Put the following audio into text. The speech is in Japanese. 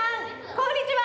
こんにちは。